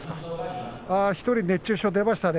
１人、熱中症が出ましたよ。